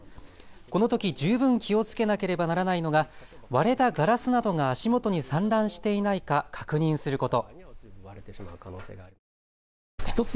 このとき十分気をつけなければならないのが割れたガラスなどが足元に散乱していないか確認すること。